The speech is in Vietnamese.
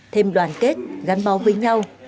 thêm đoàn kết gắn mó với nhau